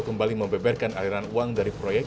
kembali membeberkan aliran uang dari proyek